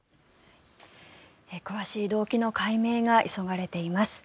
詳しい動機の解明が急がれています。